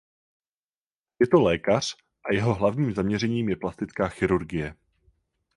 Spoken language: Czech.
Je to lékař a jeho hlavním zaměřením je plastická chirurgie.